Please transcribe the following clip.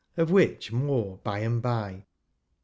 of which more by and bye.